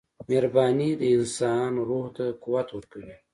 • مهرباني د انسان روح ته قوت ورکوي.